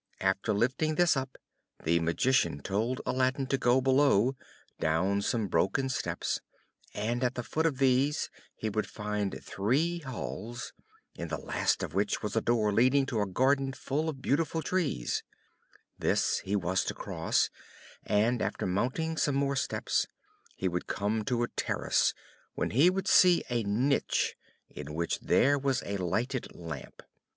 After lifting this up, the Magician told Aladdin to go below, down some broken steps, and at the foot of these he would find three halls, in the last of which was a door leading to a garden full of beautiful trees; this he was to cross, and after mounting some more steps, he would come to a terrace, when he would see a niche, in which there was a lighted Lamp.